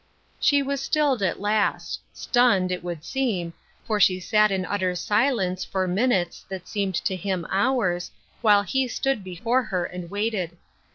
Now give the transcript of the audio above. She was stilled at last — stunned, it would seem — for she sat in litter silence for minutes that seemed to him hours, while he stood before her and waited.